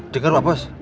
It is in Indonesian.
dengar pak bos